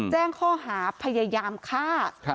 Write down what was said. แจ้งข้อหาพยายามฆ่า